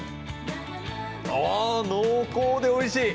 濃厚でおいしい！